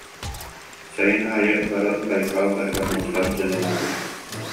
Сайын аайы бары Байкал таһыгар мустан сынньаналлар